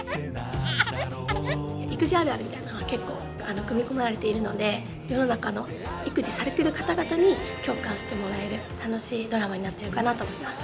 育児あるあるみたいなのが結構組み込まれているので世の中の育児されてる方々に共感してもらえる楽しいドラマになってるかなと思います。